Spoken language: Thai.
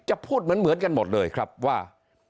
พูดเหมือนกันหมดเลยครับว่า